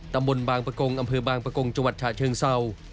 ตำบลบางประกงอำเภอบางประกงจังหวัดฉะเชิงเศร้า